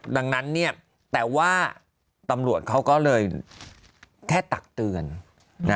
ดังนั้นเนี่ยแต่ว่าตำรวจเขาก็เลยแค่ตักเตือนนะ